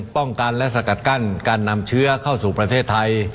ป้องกันและสกัดกั้นการนำเชื้อเข้าสู่ประเทศไทย